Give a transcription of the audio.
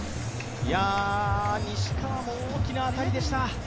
西川も大きな当たりでした。